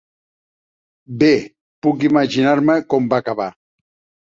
Bé, puc imaginar-me com va acabar.